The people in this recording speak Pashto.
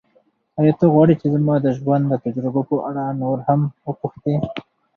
ایا ته غواړې چې زما د ژوند د تجربو په اړه نور هم وپوښتې؟